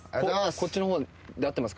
こっちで合ってますか？